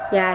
và xin lỗi